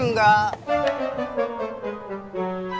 yang muda kejar